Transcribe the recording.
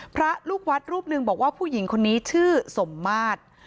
พระลูกวัดรูปหนึ่งบอกว่าผู้หญิงคนนี้ชื่อสมมาตร